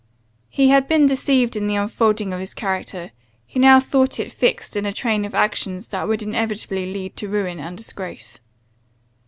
He had been deceived in the unfolding of his character; he now thought it fixed in a train of actions that would inevitably lead to ruin and disgrace.